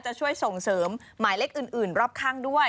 จะช่วยส่งเสริมหมายเลขอื่นรอบข้างด้วย